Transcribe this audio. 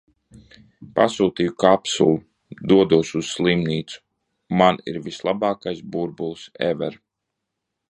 Pasūtīju kapsulu, dodos uz slimnīcu. Man ir vislabākais burbulis ever!